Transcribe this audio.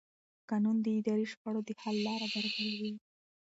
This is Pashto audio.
قانون د اداري شخړو د حل لاره برابروي.